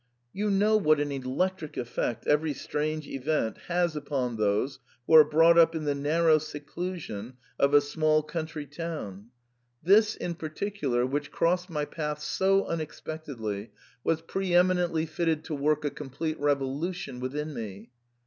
You know what an electric effect every strange event has upon those who are brought up in the narrow seclusion of a small 38 THE PERM ATA, country town ; this in particular, which crossed my path so unexpectedly, was pre eminently fitted to work a complete revolution within me.